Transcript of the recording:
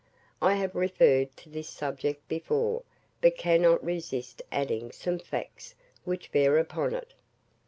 I have referred to this subject before, but cannot resist adding some facts which bear upon it.